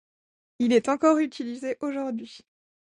Il est encore utilisé aujourd'hui.